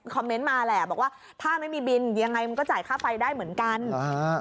คอมเมนต์มาแหละบอกว่าถ้าไม่มีบินยังไงมันก็จ่ายค่าไฟได้เหมือนกันอ่า